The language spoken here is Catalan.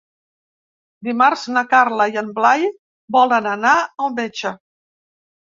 Dimarts na Carla i en Blai volen anar al metge.